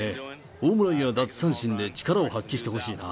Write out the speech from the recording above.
ホームランや奪三振で力を発揮してほしいな。